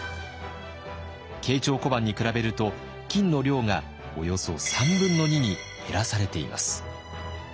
慶長小判に比べると金の量がおよそ３分の２に減らされています。